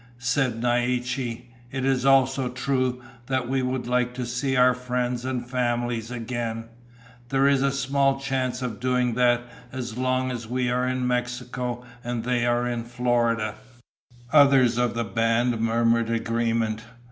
Said Naiche, "It is also true that we would like to see our friends and families again. There is small chance of doing that as long we are in Mexico and they are in Florida." Others of the band murmured agreement.